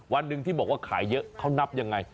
วันหนึ่งที่บอกว่าขายเยอะเขานับยังไง